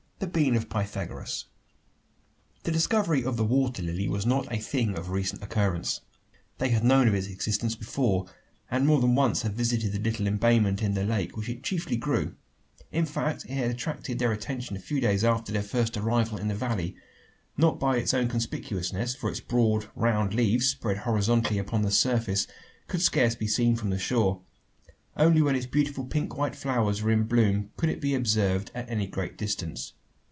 THE BEAN OF PYTHAGORAS. The discovery of the water lily was not a thing of recent occurrence. They had known of its existence before; and more than once had visited the little embayment in the lake, where it chiefly grew. In fact, it had attracted their attention a few days after their first arrival in the valley not by its own conspicuousness, for its broad round leaves, spread horizontally upon the surface, could scarce be seen from the shore. Only when its beautiful pink white flowers were in bloom, could it be observed at any great distance.